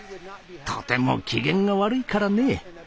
とても機嫌が悪いからね。